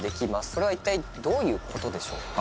それは一体どういうことでしょうか？